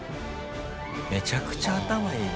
めちゃくちゃ頭いい。